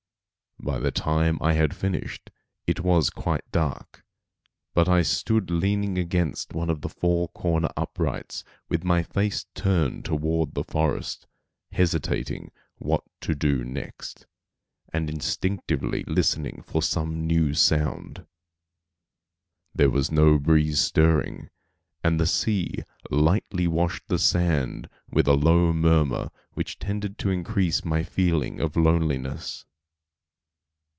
By the time I had finished it was quite dark; but I still stood leaning against one of the corner uprights with my face turned toward the forest, hesitating what to do next, and instinctively listening for some new sound. There was no breeze stirring, and the sea lightly washed the sand with a low murmur which tended to increase my feeling of loneliness.